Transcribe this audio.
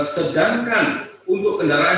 sedangkan untuk kendaraan